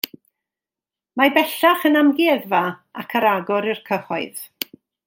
Mae bellach yn amgueddfa ac ar agor i'r cyhoedd.